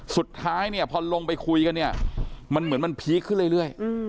สุดท้ายพอลงไปคุยกันมันเหมือนมันพีคขึ้นเรื่อย